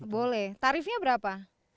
boleh tarifnya berapa